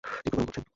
তীব্র গরম পড়ছে।